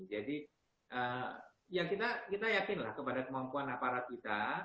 jadi ya kita yakin lah kepada kemampuan aparat kita